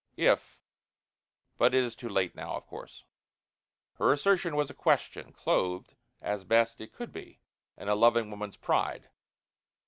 If but it is too late now, of course." Her assertion was a question clothed as best it could be in a loving woman's pride.